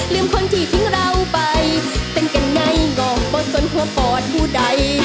ลืมคนที่ทิ้งเราไปตื่นกันไงงอมบจนหัวปอดผู้ใด